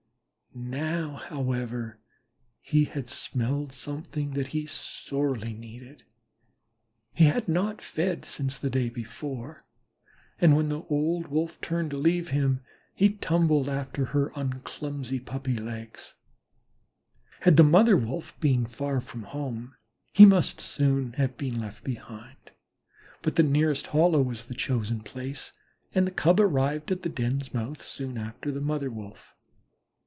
Now, however, he had smelled something that he sorely needed. He had not fed since the day before, and when the old Wolf turned to leave him, he tumbled after her on clumsy puppy legs. Had the Mother wolf been far from home he must soon have been left behind, but the nearest hollow was the chosen place, and the Cub arrived at the den's mouth soon after the Mother wolf.